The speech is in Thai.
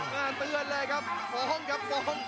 ยังแต่ครับ